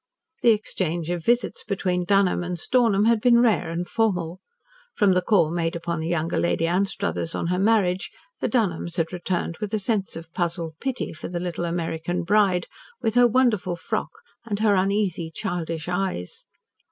The exchange of visits between Dunholm and Stornham had been rare and formal. From the call made upon the younger Lady Anstruthers on her marriage, the Dunholms had returned with a sense of puzzled pity for the little American bride, with her wonderful frock and her uneasy, childish eyes.